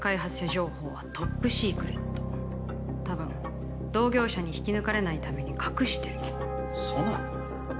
情報はトップシークレットたぶん同業者に引き抜かれないために隠してるそうなの？